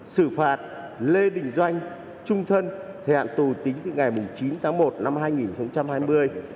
xử phạt lê đình doanh trung thân thời hạn tù tính từ ngày chín tháng một năm hai nghìn hai mươi